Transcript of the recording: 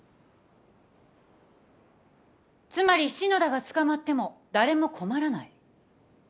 つまり篠田が捕まっても誰も困らない。